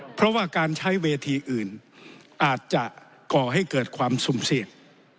เพราะว่าการใช้เวทีอื่นอาจจะก่อให้เกิดความสุ่มเสี่ยง